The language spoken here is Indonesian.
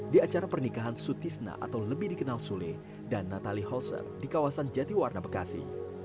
di acara pernikahan sutisna atau lebih dikenal sule dan natali halser di kawasan jatiwarna bekasi